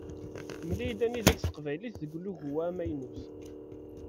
Mel-iyi-d anida-tt teqbaylit deg ulugu-a amaynut.